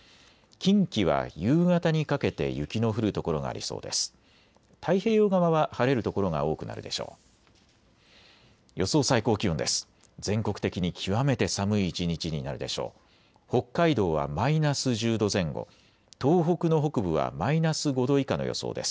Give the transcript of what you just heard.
近畿は夕方にかけて雪の降る所がありそうです。